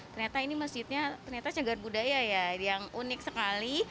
ternyata ini masjidnya ternyata cagar budaya ya yang unik sekali